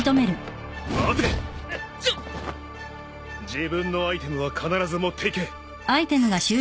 自分のアイテムは必ず持っていけ。